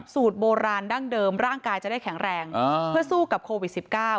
สูตรโบราณดั้งเดิมร่างกายจะได้แข็งแรงเพื่อสู้กับโควิด๑๙